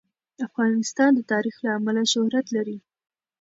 افغانستان د تاریخ له امله شهرت لري.